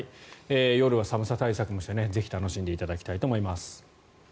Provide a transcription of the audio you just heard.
夜は寒さ対策もしてぜひ楽しんでいただきたいと思います。